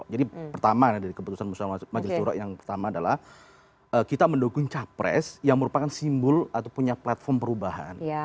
jadi pertama dari keputusan musyawara majlisuro yang pertama adalah kita mendukung capres yang merupakan simbol atau punya platform perubahan